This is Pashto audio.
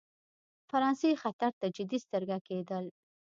فرانسې خطر ته جدي سترګه کېدل.